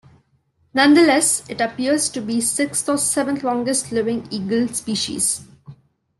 Nonetheless, it appears to be the sixth or seventh longest living eagle species.